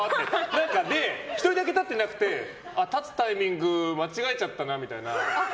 １人だけ立ってなくて立つタイミング間違えちゃったなみたいな。